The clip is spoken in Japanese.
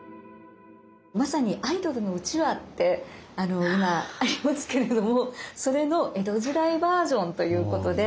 まさにアイドルのうちわって今ありますけれどもそれの江戸時代バージョンということで。